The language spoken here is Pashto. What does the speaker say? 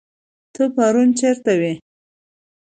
ته پرون چيرته وي